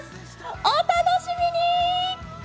お楽しみに！